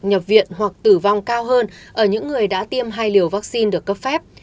nhập viện hoặc tử vong cao hơn ở những người đã tiêm hai liều vaccine được cấp phép